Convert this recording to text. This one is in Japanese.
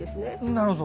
なるほど。